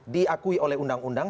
diakui oleh undang undang